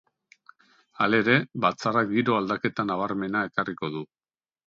Halere, batzarrak giro aldaketa nabarmena ekarriko du.